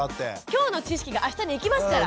今日の知識があしたに生きますから。